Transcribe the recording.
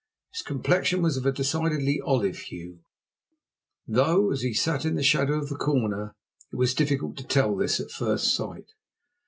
His complexion was of a decidedly olive hue, though, as he sat in the shadow of the corner, it was difficult to tell this at first sight.